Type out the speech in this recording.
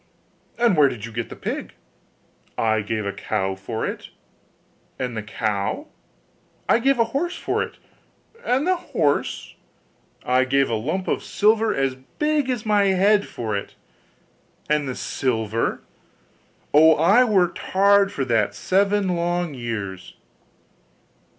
'And where did you get the pig?' 'I gave a cow for it.' 'And the cow?' 'I gave a horse for it.' 'And the horse?' 'I gave a lump of silver as big as my head for it.' 'And the silver?' 'Oh! I worked hard for that seven long years.